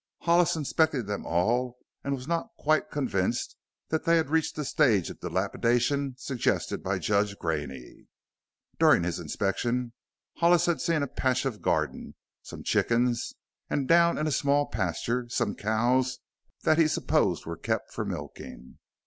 Hollis inspected them all and was not quite convinced that they had reached the stage of dilapidation suggested by Judge Graney. During his inspection Hollis had seen a patch of garden, some chickens, and down in a small pasture some cows that he supposed were kept for milking.